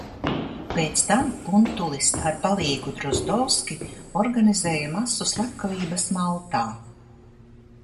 Pēc tam Puntulis ar palīgu Drozdovski organizēja masu slepkavības Maltā.